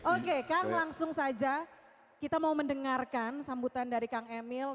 oke kang langsung saja kita mau mendengarkan sambutan dari kang emil